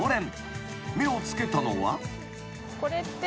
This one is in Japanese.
［目を付けたのは］これって。